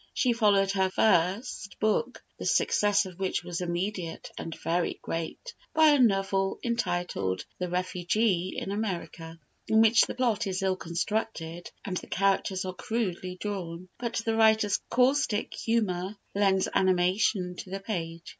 She followed her first book, the success of which was immediate and very great, by a novel entitled "The Refugee in America," in which the plot is ill constructed, and the characters are crudely drawn, but the writer's caustic humour lends animation to the page.